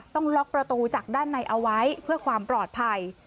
ต้องล็อกประตูจากด้านในเอาไว้เพื่อความปลอดภัย